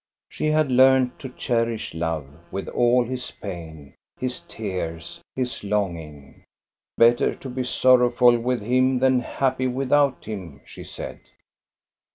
She had learned to cherish Love with all his pain, his tears, his longing. " Better to be sorrowful with him than happy with out him," she said.